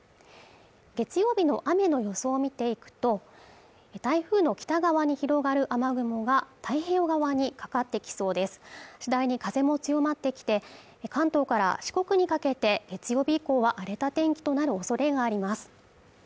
月曜日の雨の予想を見ていくと台風の北側に広がる雨雲が太平洋側にかかってきそうです次第に風も強まってきて関東から四国にかけて月曜日以降は荒れた天気となるおそれがあります